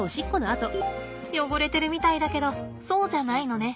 汚れてるみたいだけどそうじゃないのね。